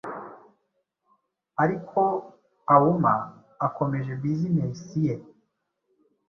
ariko auma akomeje business ye